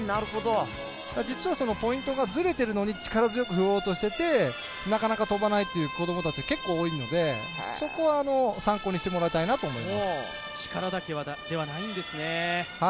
実はそのポイントがずれているのに力強く振ろうとしていて、なかなか飛ばないという子供たち結構多いのでそこは参考にしてもらいたいなと思います。